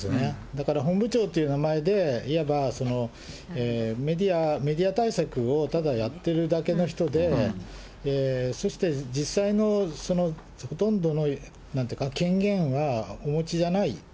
だから本部長という名前でいわばメディア対策をただやってるだけの人で、そして実際のほとんどの権限はお持ちじゃない。